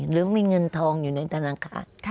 หรือมีเงินทองอยู่ในธนาคาร